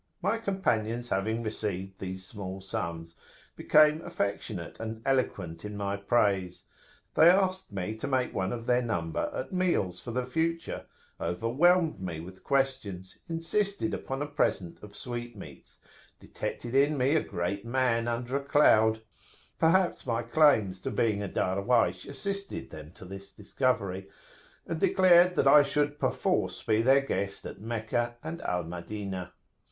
My companions having received these small sums, became affectionate and eloquent in my praise: they asked me to make one of their number at meals for the future, overwhelmed me with questions, insisted upon a present of sweetmeats, detected in me a great man under a cloud, perhaps my claims to being a Darwaysh assisted them to this discovery, and declared that I should perforce be their guest at Meccah and Al Madinah.